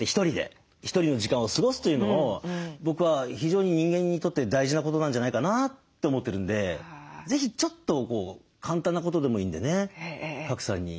ひとりの時間を過ごすというのを僕は非常に人間にとって大事なことなんじゃないかなって思ってるんで是非ちょっと簡単なことでもいいんでね賀来さんに勧めたいですね。